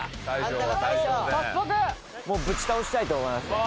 もうぶち倒したいと思いますね